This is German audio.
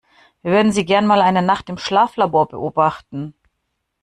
Wir würden Sie gerne mal eine Nacht im Schlaflabor beobachten.